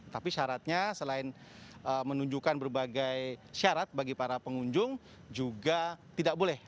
tapi syaratnya selain menunjukkan berbagai syarat bagi para pengunjung juga tidak boleh